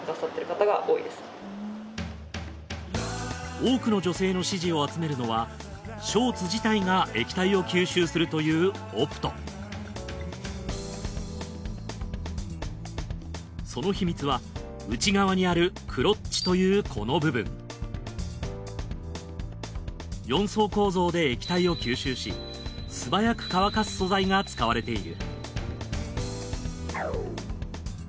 多くの女性の支持を集めるのはショーツ自体が液体を吸収するというＯＰＴその秘密は内側にあるクロッチというこの部分４層構造で液体を吸収し素早く乾かす素材が使われている。